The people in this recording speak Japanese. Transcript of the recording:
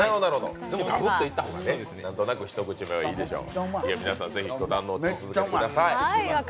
ガブッといった方がね、一口目はいいでしょう。